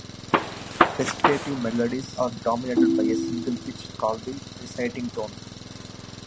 Recitative melodies are dominated by a single pitch, called the "reciting tone".